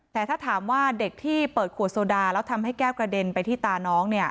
แต่ถ้าถามว่าเด็กที่เปิดขวดโซดาแล้วทำให้แก้วกระเด็นไปที่ตาน้อง